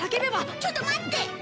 ちょっと待って！